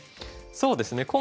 そうですね